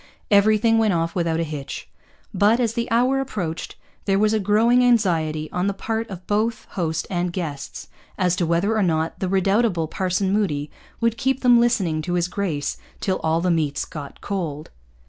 Everything went off without a hitch. But, as the hour approached, there was a growing anxiety, on the part of both host and guests, as to whether or not the redoubtable Parson Moody would keep them listening to his grace till all the meats got cold.